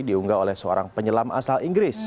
diunggah oleh seorang penyelam asal inggris